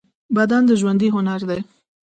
بدن د ژوندۍ هنر دی.